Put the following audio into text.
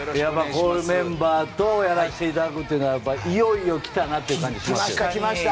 このメンバーとやらせていただくというのはいよいよ来たなという感じがします。